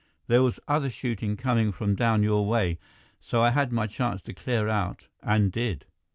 There was other shooting coming from down your way, so I had my chance to clear out and did."